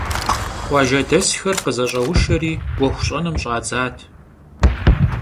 Khuajjedesxer khızeş'euşşeri 'uexu ş'enım ş'adzat.